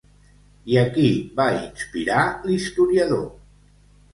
I a qui va inspirar l'historiador?